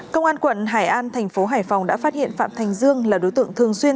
công an quận hải an tp hải phòng đã phát hiện phạm thành dương là đối tượng thường xuyên